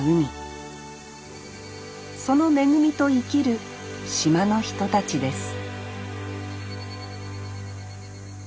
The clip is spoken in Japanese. その恵みと生きる島の人たちです